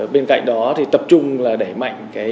bên cạnh đó tập trung là để tìm kiếm các em gái